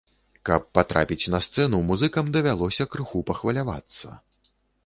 Каб патрапіць на сцэну, музыкам давялося крыху пахвалявацца.